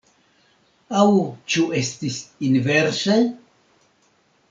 Aŭ ĉu estis inverse?